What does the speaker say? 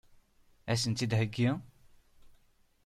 Ad sent-tt-id-theggi?